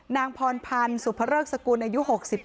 นางพรพันธ์สุภเริกสกุลอายุ๖๗